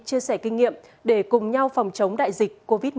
chia sẻ kinh nghiệm để cùng nhau phòng chống đại dịch covid một mươi chín